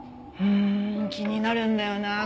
うん気になるんだよな。